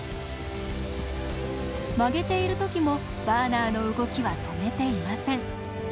曲げている時もバーナーの動きは止めていません。